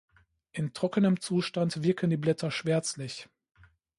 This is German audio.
In trockenem Zustand wirken die Blätter schwärzlich.